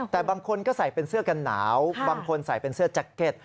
แต่บางคนก็ใส่เป็นเสื้อกันหนาวบางคนใส่เป็นเสื้อแจ็คเก็ต